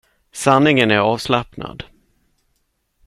Sanningen är avslappnad.